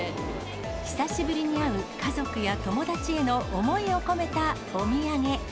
久しぶりに会う家族や友達への思いを込めたお土産。